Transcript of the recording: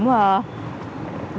rất là dễ